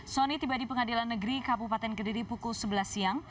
sony tiba di pengadilan negeri kabupaten kediri pukul sebelas siang